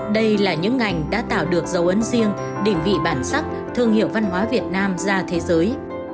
đây là những ngành đã tạo được dấu ấn riêng đỉnh vị bản sắc thương hiệu văn hóa việt nam ra thế giới